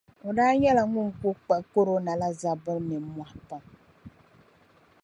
O daa nyɛla ŋun kuli kpiɣi korona la zabbu nimmohi pam.